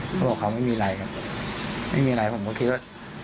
เขาบอกเขาไม่มีอะไรครับไม่มีอะไรผมก็คิดว่า